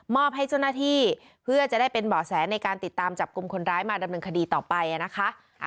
ให้เจ้าหน้าที่เพื่อจะได้เป็นเบาะแสในการติดตามจับกลุ่มคนร้ายมาดำเนินคดีต่อไปนะคะ